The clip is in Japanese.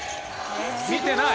見てない。